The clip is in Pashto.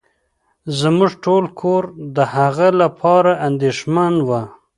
زمونږ ټول کور د هغه لپاره انديښمن وه.